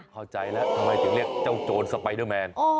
เข้าใจแล้วทำไมถึงเรียกเจ้าโจรสไปเดอร์แมน